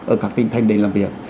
ở các tỉnh thành để làm việc